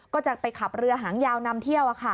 ก็จะไปขับเรือหางยาวนำเที่ยว